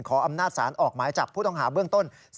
อำนาจสารออกหมายจับผู้ต้องหาเบื้องต้น